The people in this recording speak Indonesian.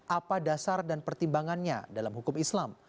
apa dasar dan pertimbangannya dalam hukum islam